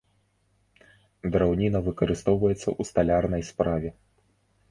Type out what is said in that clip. Драўніна выкарыстоўваецца ў сталярнай справе.